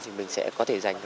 thì mình sẽ có thể giành